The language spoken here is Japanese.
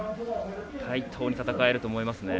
対等に戦えると思います。